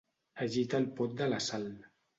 Agita el pot de sal.